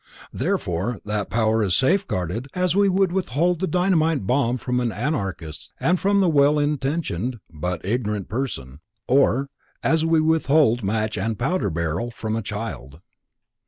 Therefore that power is safeguarded as we would withhold the dynamite bomb from an anarchist and from the well intentioned but ignorant person, or, as we withhold match and powder barrel from a child.